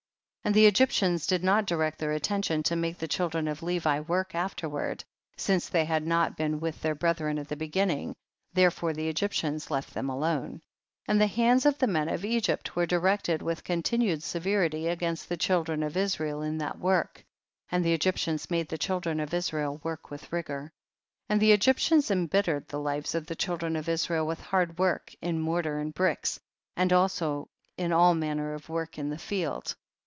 34. And the Egyptians did not direct their attention to make the children of Levi work afterward, since they had not been with their brethren at the beginning, therefore the Egyptians left them alone. 35. And the hands of the men of Egypt were directed with continued severity against the children of Israel in that work, and the Eg}'ptians made the children of Israel work with rigor. 36. And the Egyptians embittered the lives of the children of Israel with hard work, in mortar and bricks, and also in all manner of work in the field.